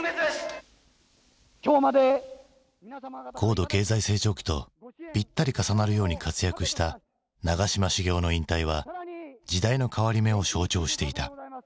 高度経済成長期とぴったり重なるように活躍した長嶋茂雄の引退は時代の変わり目を象徴していた。